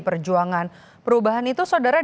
cek lagi apakah sudah ada putusan bawaslu